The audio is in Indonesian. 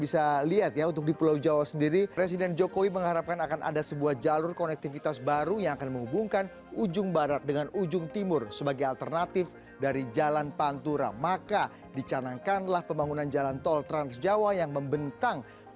sampai jumpa di video selanjutnya